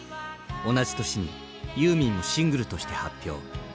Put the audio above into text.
同じ年にユーミンもシングルとして発表。